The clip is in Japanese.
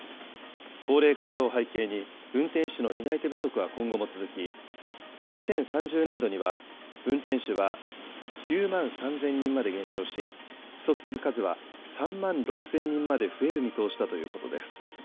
高齢化などを背景に、運転手の担い手不足は今後も続き、２０３０年度には、運転手は９万３０００人まで減少し、不足する数は３万６０００人まで増える見通しだということです。